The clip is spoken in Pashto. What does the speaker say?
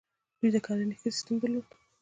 دوی د کرنې ښه سیستم درلود